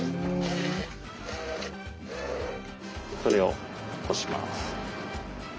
これをこします。